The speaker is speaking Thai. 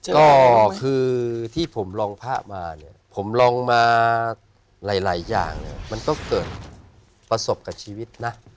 ก็คือที่ผมลองพระมาเนี่ยผมลองมาหลายอย่างเนี่ยมันก็เกิดประสบกับชีวิตนะ